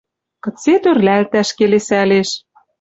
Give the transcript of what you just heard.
Кыце тӧрлӓлтӓш, келесӓлеш —